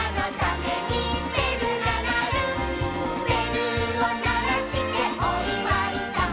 「べるをならしておいわいだ」